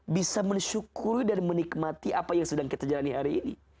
bisa mensyukuri dan menikmati apa yang sedang kita jalani hari ini